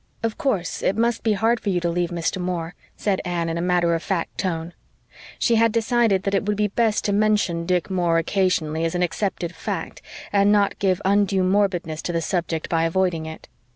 "Of course it must be hard for you to leave Mr. Moore," said Anne, in a matter of fact tone. She had decided that it would be best to mention Dick Moore occasionally as an accepted fact, and not give undue morbidness to the subject by avoiding it.